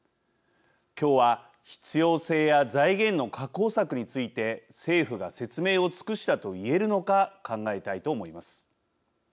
今日は必要性や財源の確保策について政府が説明を尽くしたと言えるのか考えたいと思います。